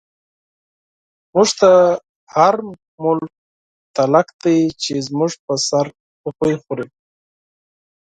موږ ته هر ملک تلک دی، چۍ زموږ په سر روپۍ خوری